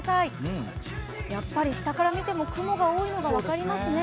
やっぱり下から見ても雲が多いのが分かりますね。